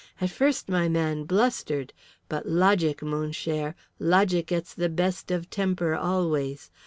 At first my man blustered, but logic, mon cher, logic gets the best of temper always.